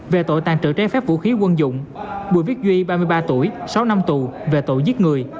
về tội tàn trữ trái phép vũ khí quân dụng bùi viết duy ba mươi ba tuổi sáu năm tù về tội giết người